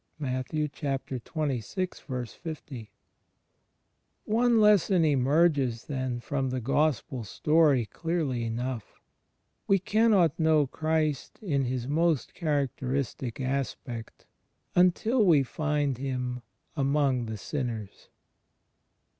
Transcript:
"* One lesson emerges, then from the Gospel story clearly enough. We cannot know Christ in His most charac teristic aspect until we find Him among the Sinners.